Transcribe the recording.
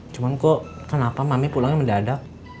cuma kok kenapa mami pulangnya mendadak